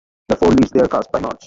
The four leads were cast by March.